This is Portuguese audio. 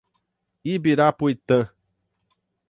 Ibirapuitã